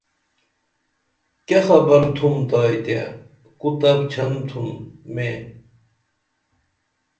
کیہ خبر تُھمتائی تیہ کو تپچھن تُھن میں